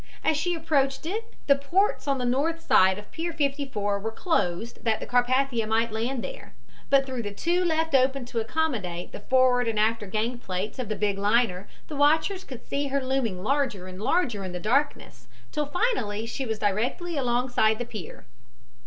As she approached it the ports on the north side of pier 54 were closed that the Carpathia might land there, but through the two left open to accommodate the forward and after gangplanks of the big liner the watchers could see her looming larger and larger in the darkness till finally she was directly alongside the pier.